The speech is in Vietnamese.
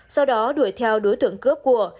sau đó đuổi theo đối tượng cướp của